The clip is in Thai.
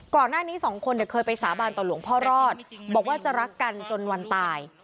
ก่อนหน้านี้สองคนเนี่ยเคยไปสาบานต่อหลวงพ่อรอดบอกว่าจะรักกันจนวันตาย